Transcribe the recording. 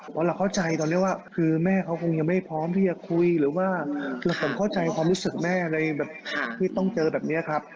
เพราะเราเข้าใจตอนนี้ว่าคือแม่เขาคงยังไม่พร้อมที่จะคุยหรือว่าคือผมเข้าใจความรู้สึกแม่ในแบบที่ต้องเจอแบบนี้ครับ